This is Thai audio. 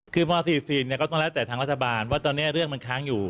คือม๔๔ก็ต้องแล้วแต่ทางรัฐบาลว่าตอนนี้เรื่องมันค้างอยู่